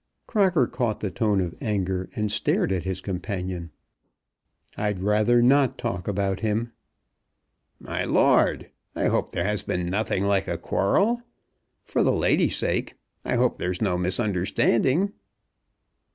Crocker caught the tone of anger, and stared at his companion. "I'd rather not talk about him." "My lord! I hope there has been nothing like a quarrel. For the lady's sake, I hope there's no misunderstanding!"